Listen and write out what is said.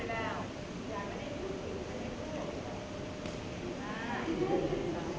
สวัสดีครับสวัสดีครับ